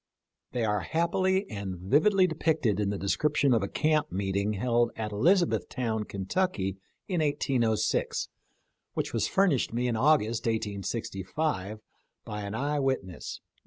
They are happily and vividly depicted in the description of a camp meet ing held at Elizabethtown, Kentucky, in 1806, which was furnished me in August, 1865, by an eye wit ness.